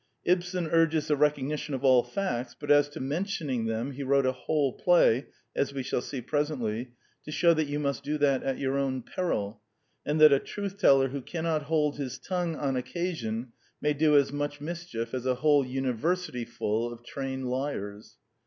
Ibsen urges the recognition of all facts; but as to mentioning them, he wrote a whole play, as we shall see pres ently, to shew that you must do that at your own peril, and that a truth teller who cannot hold his tongue on occasion may do as much mischief as a whole universityful of trained liars.